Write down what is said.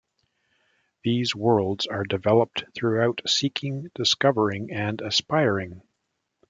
These worlds are developed through seeking, discovering and aspiring.